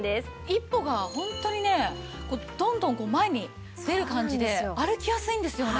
一歩がホントにねどんどん前に出る感じで歩きやすいんですよね。